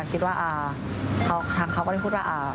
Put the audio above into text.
คิดว่าทางเขาก็เลยพูดว่า